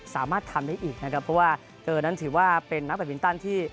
สามารถทำได้อีกนะครับเพราะว่าเธอนั้นถือว่าเป็นนักแบตมินตันที่